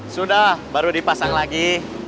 sudah baru dipasang lagi